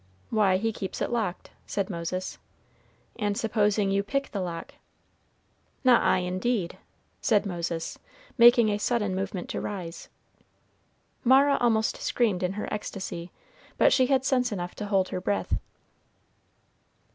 "Why, he keeps it locked," said Moses. "And supposing you pick the lock?" "Not I, indeed," said Moses, making a sudden movement to rise. Mara almost screamed in her ecstasy, but she had sense enough to hold her breath.